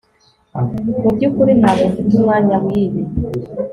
Mu byukuri ntabwo mfite umwanya wibi